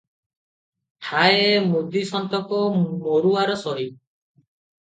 ଠାଏ ଏ ମୁଦି ସନ୍ତକ ମରୁଆର ସହି ।